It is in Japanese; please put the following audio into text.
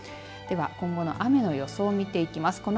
では、今後の雨の予想を見ていきます。